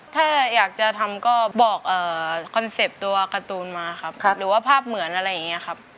ถ้าอยากจะทำก็บอกคอนเซ็ปต์ตัวการ์ตูนมาครับหรือว่าภาพเหมือนอะไรอย่างนี้ครับ